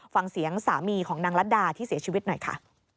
ฟังเสียงสามีของนางรัฐดาที่เสียชีวิตหน่อยค่ะ